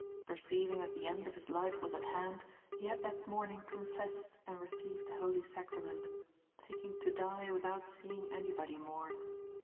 Perceiving that the end of his life was at hand, he had that morning confessed and received the Holy Sacrament, thinking to die without seeing anybody more.